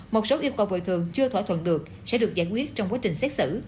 một số yêu cầu bồi thường chưa thỏa thuận được sẽ được giải quyết trong quá trình xét xử